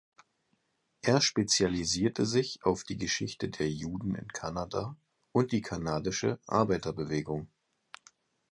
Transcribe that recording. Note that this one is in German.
Er spezialisierte sich auf die Geschichte der Juden in Kanada und die kanadische Arbeiterbewegung.